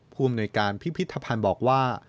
ภูมิในการพิพิธภัณฑ์บอกว่า